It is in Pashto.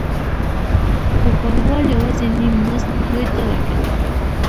خو پانګوال یوازې نیم مزد دوی ته ورکوي